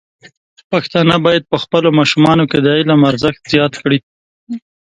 پښتانه بايد په خپلو ماشومانو کې د علم ارزښت زیات کړي.